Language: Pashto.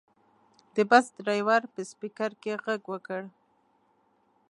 د بس ډریور په سپیکر کې غږ وکړ.